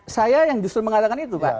saya yang justru mengatakan itu pak